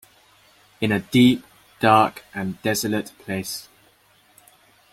In a deep, dark and desolate place.